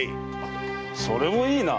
それもいいな。